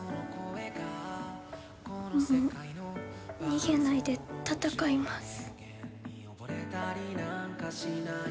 もう逃げないで戦います